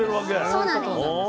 そうなんです。